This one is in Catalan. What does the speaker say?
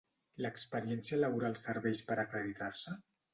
L'experiència laboral serveix per acreditar-se?